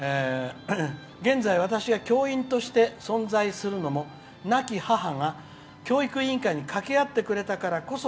「現在私が教員として存在するのも亡き母が教育委員会で掛け合ってくれたからこそ。